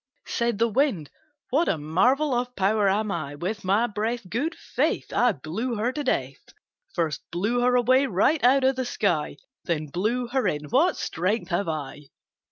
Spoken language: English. Said the Wind "What a marvel of power am I! With my breath, Good faith! I blew her to death First blew her away right out of the sky Then blew her in; what strength have I!"